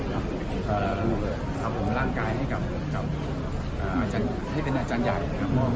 ก็คุผลารางกายให้เป็นอาจารย์ใหม่